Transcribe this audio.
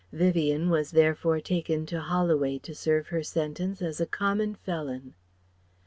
Vivien was therefore taken to Holloway to serve her sentence as a common felon.